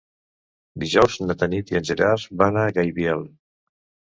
Dijous na Tanit i en Gerard van a Gaibiel.